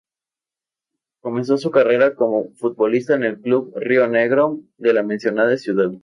Comenzó su carrera como futbolista en el "Club Río Negro" de la mencionada ciudad.